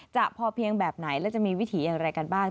จะพอเพียงแบบไหนและจะมีวิถีอย่างไรกันบ้าง